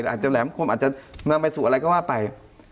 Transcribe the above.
อาจจะแหลมคมอาจจะนำไปสู่อะไรก็ว่าไป